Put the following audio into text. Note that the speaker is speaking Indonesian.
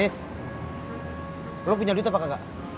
pertis lo punya duit apa nggak